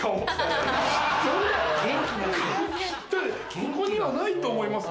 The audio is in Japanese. ここにはないと思いますよ。